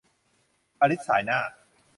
อลิซส่ายหน้า